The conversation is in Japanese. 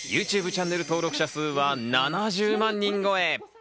ＹｏｕＴｕｂｅチャンネル登録者数は７０万人超え。